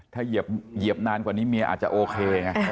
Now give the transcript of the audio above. ถ้าเหยียบนานกว่านี้เมียอาจจะโอเคไง